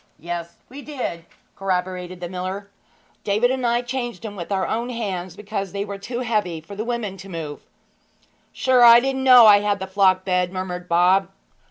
'Yes, we did,' corroborated the miller. 'David and I changed 'em with our own hands, because they were too heavy for the women to move.' 'Sure I didn't know I had the flock bed,' murmured Bob.